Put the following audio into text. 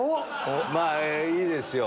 まぁいいですよ